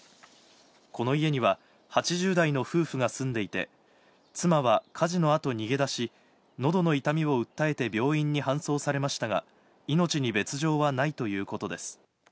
この家には８０代の夫婦が住んでいて、妻は火事のあと逃げ出し、喉の痛みを訴えて、病院に搬送されましたが、命に別条はないということです。